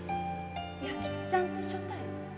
〔弥吉さんと所帯？〕